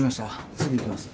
すぐ行きます。